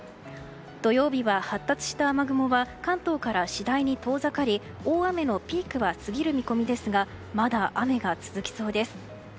土曜日は発達した雨雲は関東から次第に遠ざかり大雨のピークは過ぎる見込みですがまだ雨は続きそうです。